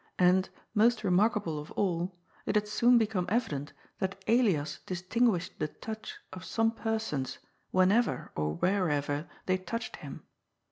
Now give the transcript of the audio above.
And, most remarkable of all, it had soon become eyident that Elias distinguished the touch of some persons wheneyer or whereyer they touched him.